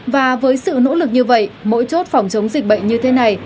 và với sự nỗ lực như vậy mỗi chốt phòng chống dịch bệnh như thế này